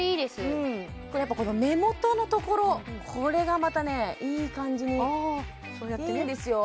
これこれやっぱ目元のところこれがまたねいい感じにいいんですよ